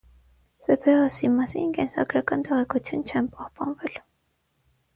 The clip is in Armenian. Սեբեոսի մասին կենսագրական տեղեկություն չեն պահպանվել։